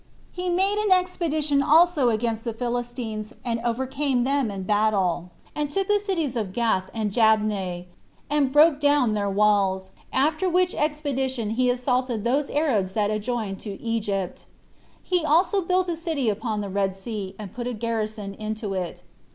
He made an expedition also against the Philistines, and overcame them in battle, and took the cities of Gath and Jabneh, and brake down their walls; after which expedition he assaulted those Arabs that adjoined to Egypt. He also built a city upon the Red Sea, and put a garrison into it.